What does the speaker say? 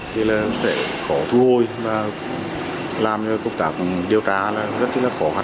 thì là sẽ khó thu hồi và làm công tác điều tra là rất là khó khăn